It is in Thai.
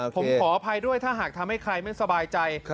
ผมขออภัยด้วยถ้าหากทำให้ใครไม่สบายใจ